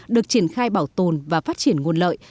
được triển khai bảo tồn và phát triển nguồn lợi